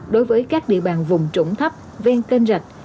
đối với các địa bàn vùng trũng thấp ven kênh rạch